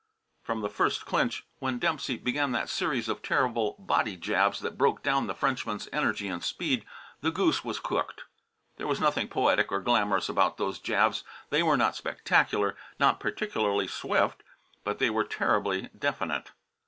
From the first clinch, when Dempsey began that series of terrible body jabs that broke down the Frenchman's energy and speed, the goose was cooked. There was nothing poetic or glamorous about those jabs; they were not spectacular, not particularly swift; but they were terribly definite.